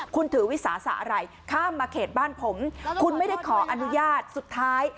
คุณถือวิสาสะอะไรข้ามมาเขตบ้านผมคุณไม่ได้ขออนุญาตสุดท้าย